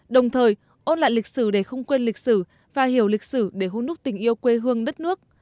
đồng thời ôn lại lịch sử để không quên lịch sử và hiểu lịch sử để hôn đúc tình yêu quê hương đất nước